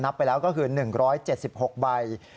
ไปแล้วก็คือ๑๗๖ใบ